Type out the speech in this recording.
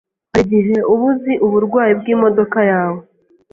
harigihe uba uzi uburwayi bwimodoka yawe